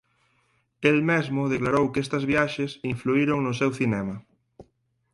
El mesmo declarou que estas viaxes influíron no seu cinema.